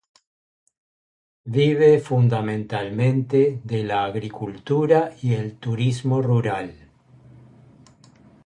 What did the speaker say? Vive fundamentalmente de la agricultura y el turismo rural.